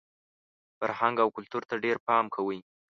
فرهنګ او کلتور ته ډېر پام کوئ!